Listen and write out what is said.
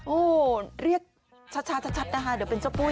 โอ้โหเรียกชัดนะคะเดี๋ยวเป็นเจ้าปุ้ย